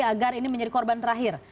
agar ini menjadi korban terakhir